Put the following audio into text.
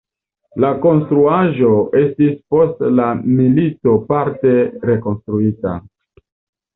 La konstruaĵo estis post la milito parte rekonstruita.